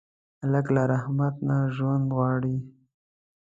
هلک له رحمت نه ژوند کوي.